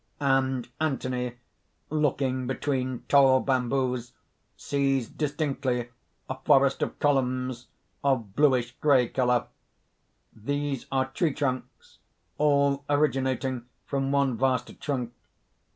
_ _And Anthony, looking between tall bamboos, sees distinctly a forest of columns, of bluish grey color. These are tree trunks, all originating from one vast trunk.